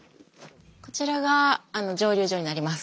こちらがあの蒸留所になります。